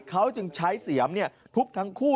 เขาจึงใช้เสียมทุบทั้งคู่